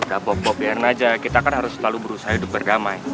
udah bob bob biarin aja kita kan harus selalu berusaha hidup berdamai